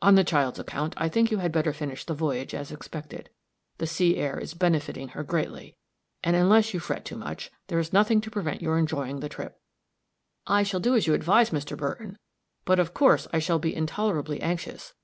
On the child's account, I think you had better finish the voyage as expected. The sea air is benefiting her greatly; and, unless you fret too much, there is nothing to prevent your enjoying the trip." "I shall do just as you advise, Mr. Burton; but, of course, I shall be intolerably anxious.